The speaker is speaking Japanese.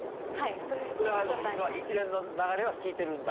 一連の流れは聞いてるんだ。